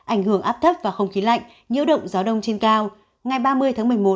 ảnh hưởng áp thấp và không khí lạnh nhiễu động gió đông trên cao ngày ba mươi tháng một mươi một